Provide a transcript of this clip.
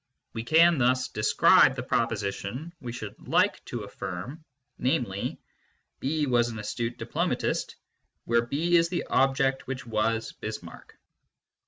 We can thus describe the proposition we should like to affirm, namely, " B was an astute diplomatist," where B is the object which was Bismarck.